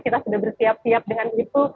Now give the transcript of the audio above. kita sudah bersiap siap dengan itu